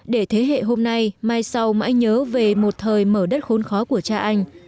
để thế hệ hôm nay mai sau mãi nhớ về một thời mở đất khốn khó của cha anh